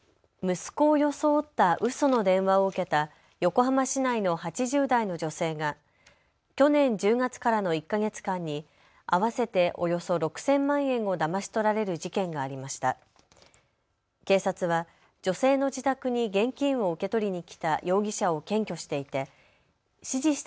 息子を装ったうその電話を受けた横浜市内の８０代の女性が去年１０月からの１か月間に合わせておよそ６０００万円をだまし取られる事件がありました。